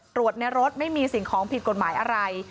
ในรถไม่มีสิ่งของผิดกฎหมายอะไร